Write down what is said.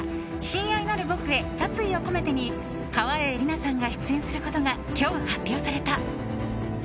「親愛なる僕へ殺意をこめて」に川栄李奈さんが出演することが今日発表された。